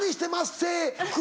せ